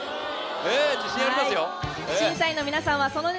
ええ自信ありますよ。